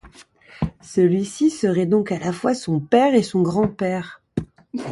Celui-ci serait donc à la fois son père et son grand-père.